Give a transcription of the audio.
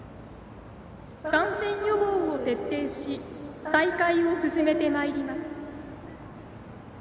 感染予防を徹底し大会を進めてまいります。